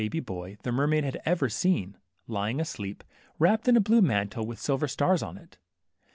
9 boy baby the mermaid had ever seen, lying asleep, wrapped in a blue mantle with silver stars on it.